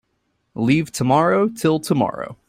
Leave tomorrow till tomorrow.